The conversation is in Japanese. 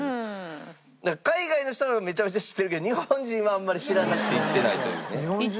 海外の人はめちゃめちゃ知ってるけど日本人はあんまり知らなくて行ってないというね。